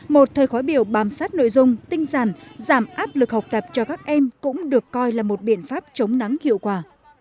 một thời khói biểu bám sát nội dung tin rằng giảm áp lực học tập cho các em cũng được coi là một biện pháp chống nắng hiệu quả